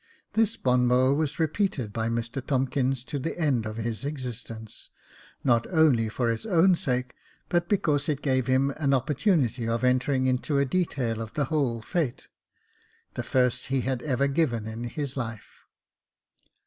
This bon mot was repeated by Mr Tomkins to the end of his existence, not only for its own sake, but because it gave him an opportunity of entering into a detail of the vfhole fete — the first he had ever given in his life.